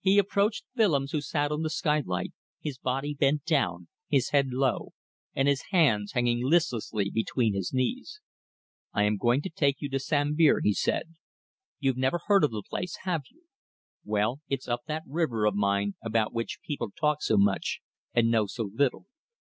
He approached Willems, who sat on the skylight, his body bent down, his head low, and his hands hanging listlessly between his knees. "I am going to take you to Sambir," he said. "You've never heard of the place, have you? Well, it's up that river of mine about which people talk so much and know so little.